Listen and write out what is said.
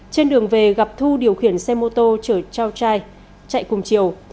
trên đường về gặp thu điều khiển xe mô tô chở chau trai chạy cùng chiều